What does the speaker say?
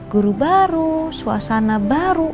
guru baru suasana baru